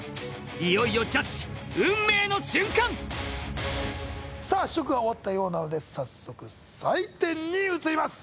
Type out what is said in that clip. いよいよジャッジ運命の瞬間さあ試食が終わったようなので早速採点に移ります